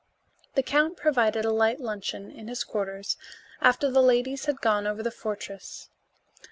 The count provided a light luncheon in his quarters after the ladies had gone over the fortress.